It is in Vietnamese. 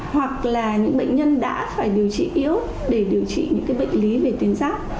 hoặc là những bệnh nhân đã phải điều trị yếu để điều trị những bệnh lý về tuyến giáp